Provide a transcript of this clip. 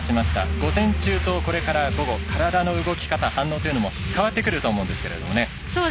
午前中とこれから午後体の動き方、反応というのも変わってくると思うんですけどね。